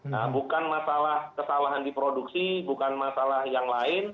nah bukan masalah kesalahan diproduksi bukan masalah yang lain